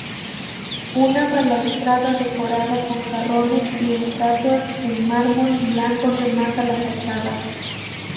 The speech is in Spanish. Una balaustrada decorada con jarrones y estatuas en mármol blanco remata la fachada.